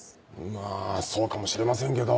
まぁそうかもしれませんけど。